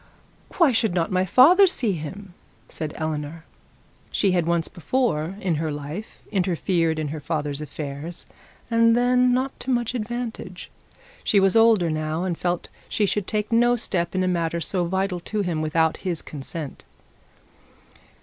'Why should not my father see him?' said Eleanor. She had once before in her life interfered with her father's affairs, and then not to much advantage. She was older now, and felt that she should take no step in a matter so vital to him without his consent.